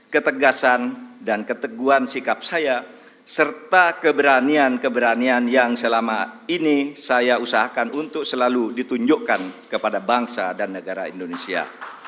ketegasan dan keteguan sikap saya serta keberanian keberanian yang selama ini saya usahakan untuk selalu ditunjukkan kepada bangsa dan negara indonesia